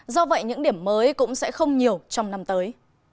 do vậy những điểm mới cũng sẽ không nhiều trong năm tới